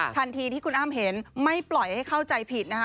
ทันทีที่คุณอ้ำเห็นไม่ปล่อยให้เข้าใจผิดนะคะ